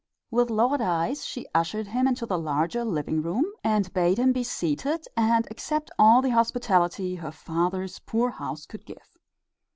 With lowered eyes, she ushered him into the larger living room, and bade him be seated and accept all the hospitality her father's poor house could give.